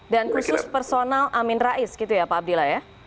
dan khusus personal amin rais gitu ya pak abdillah ya